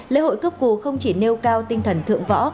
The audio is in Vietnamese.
lễ hội cướp cù không chỉ nêu cao tinh thần thượng võ